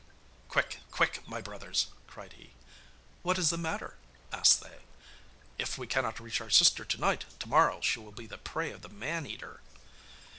'Quick, quick! my brothers,' cried he. 'What is the matter?' asked they. 'If we cannot reach our sister to night, to morrow she will be the prey of the man eater.